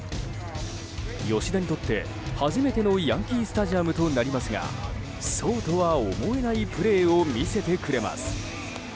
吉田にとって初めてのヤンキー・スタジアムとなりますがそうとは思えないプレーを見せてくれます。